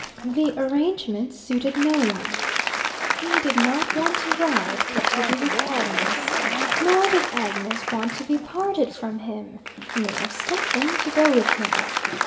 The arrangement suited no one. He did not want to ride, but to be with Agnes; nor did Agnes want to be parted from him, nor Stephen to go with him.